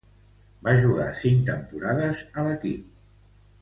Va jugar cinc temporades a l'equip.